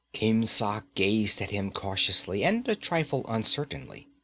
Khemsa gazed at him cautiously and a trifle uncertainly.